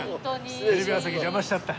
テレビ朝日の邪魔しちゃった。